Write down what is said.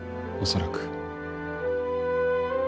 恐らく。